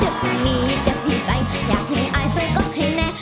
เจ็บตรงนี้เจ็บที่ใจอยากให้อายใส่ก็ให้แน่